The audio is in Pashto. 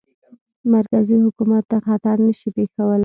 مرکزي حکومت ته خطر نه شي پېښولای.